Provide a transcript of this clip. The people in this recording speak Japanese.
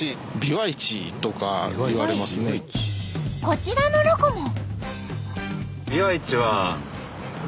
こちらのロコも。